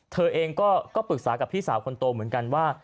เธอเองก็ปรึกษากับพี่สาวคนโตเหมือนกันว่า